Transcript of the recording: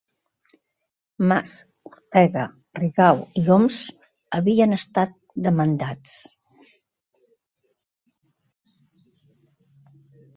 Mas, Ortega, Rigau i Homs havien estat demandats